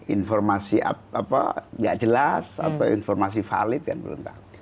informasi nggak jelas atau informasi valid kan belum tahu